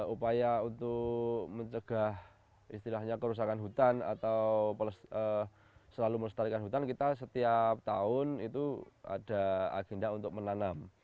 upaya untuk mencegah istilahnya kerusakan hutan atau selalu melestarikan hutan kita setiap tahun itu ada agenda untuk menanam